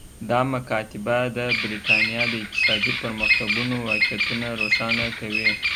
دا مکاتبه د برېټانیا د اقتصادي پرمختګونو واقعیتونه روښانه کوي